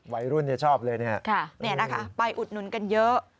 วัยรุ่นจะชอบเลยนี่ฮะนี่นะคะไปอุดหนุนกันเยอะ